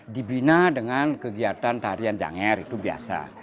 dibina dengan kegiatan tarian janger itu biasa